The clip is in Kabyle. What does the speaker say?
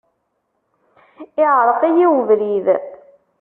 Iεreq-iyi ubrid.